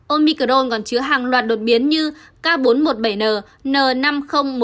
omicron còn chứa hàng loạt đột biến như k bốn trăm một mươi bảy n n năm trăm linh một i n bốn trăm bốn mươi k g bốn trăm bốn mươi sáu s